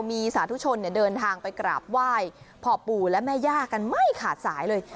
มีสาธุชนเดินทางไปกราบไหว้พ่อปู่และแม่ย่ากันไม่ขาดสายเลย